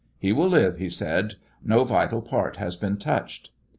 "He will live," he said. "No vital part has been touched."